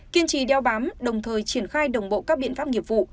kiên trì đeo bám đồng thời triển khai đồng bộ các biện pháp nghiệp vụ